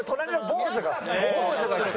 坊主が。